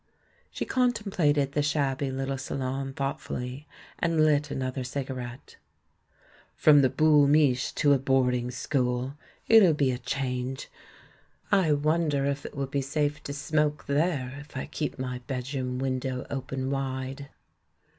She contemplated the shabby little salon thoughtfully, and lit another cigarette. "From the Boul' Mich' to a boarding school! It'll be a change. I wonder 6 THE MAN WHO UNDERSTOOD WOMEN if it will be safe to smoke there if I keep my bed room window open wide?"